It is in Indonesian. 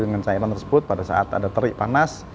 dengan cairan tersebut pada saat ada terik panas